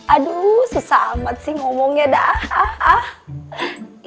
aduh susah amat sih ngomongnya daha